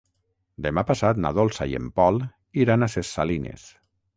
Demà passat na Dolça i en Pol iran a Ses Salines.